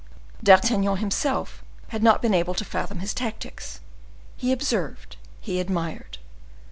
D'Artagnan himself had not been able to fathom his tactics; he observed—he admired.